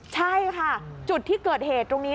ใช่ค่ะจุดที่เกิดเหตุตรงนี้